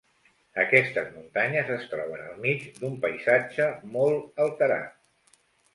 Aquestes muntanyes es troben al mig d'un paisatge molt alterat.